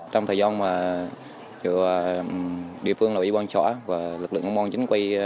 trong thời gian mà địa phương đã bị ban trỏa và lực lượng công an chính quy